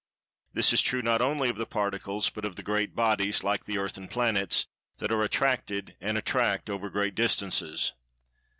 This is true not only of the particles but of the great bodies, like the Earth and planets, that are attracted, and attract over great distances.